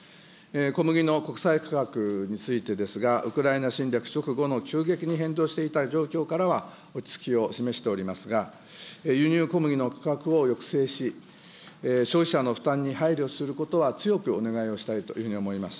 小麦の国際価格についてですが、ウクライナ侵略直後の急激に変動していた状況からは落ち着きを示しておりますが、輸入小麦の価格を抑制し、消費者の負担に配慮することは強くお願いをしたいというふうに思います。